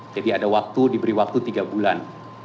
jadi ada waktu diberi waktu tiga bulan